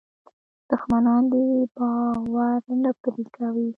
دښمنان دې باور نه پرې کوي.